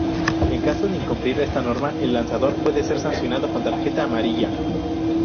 En caso de incumplir esta norma, el lanzador puede ser sancionado con tarjeta amarilla.